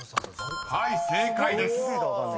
［はい正解です］